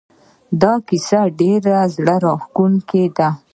دا کیسه ډېره زړه راښکونکې ده